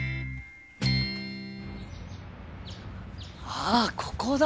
あっここだ！